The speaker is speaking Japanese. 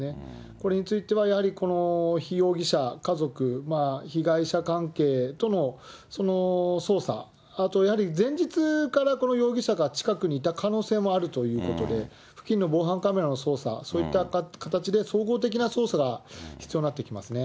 これについてはやはり、この被容疑者家族、被害者関係とのその捜査と、あとやはり前日からこの容疑者が近くにいた可能性もあるということで、付近の防犯カメラの捜査、そういった形で総合的な捜査が必要になってきますね。